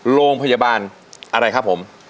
โรงพยาบาลอะไรครับผม